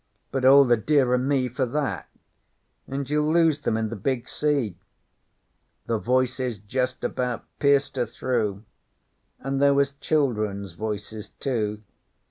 "But all the dearer me for that; and you'll lose them in the big sea." The voices justabout pierced through her; an' there was children's voices too.